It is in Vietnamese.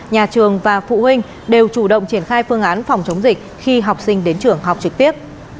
nhà trường và phụ huynh đều chủ động triển khai phương án phòng chống dịch khi học sinh đến trường học trực tiếp